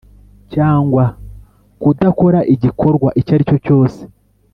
Cyangwa kudakora igikorwa icyo aricyo cyose